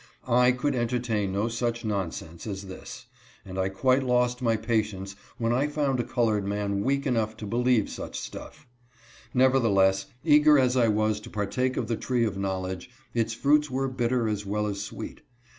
^! could enter tain no such nonsense as this, and I quite lost my patience when I found a colored man weak enough to believe such stuff. Nevertheless, eager as I was to partake of the tree of knowledge, its fruits were bitter as well as sweet.